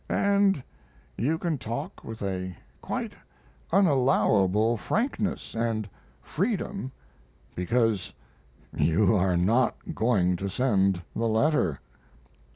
And you can talk with a quite unallowable frankness & freedom because you are not going to send the letter.